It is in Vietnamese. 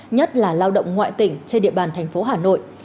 ngoại tỉnh trên địa bàn thành phố hà nội